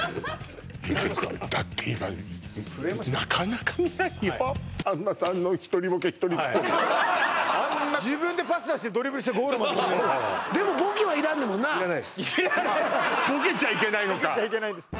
意外とだって今なかなか見ないよさんまさんのひとりボケひとりツッコミあんな自分でパス出してドリブル出してゴールまで決めるでもボケはいらんねもんないらないですボケちゃいけないのかボケちゃいけないです